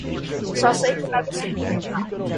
Só sei que nada sei.